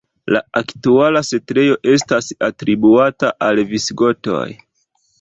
La aktuala setlejo estas atribuata al visigotoj.